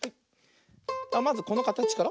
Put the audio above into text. まずこのかたちから。